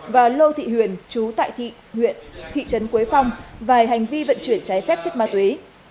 và lô thị huyền chú tại huyện thị trấn quế phong và hành vi vận chuyển cháy phép chất ma túy